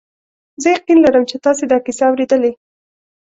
زه یقین لرم چې تاسي دا کیسه اورېدلې.